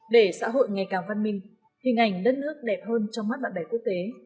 để xã hội ngày càng văn minh hình ảnh đất nước đẹp hơn trong mắt bạn bè quốc tế